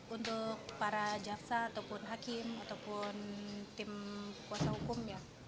untuk para jaksa ataupun hakim ataupun tim kuasa hukum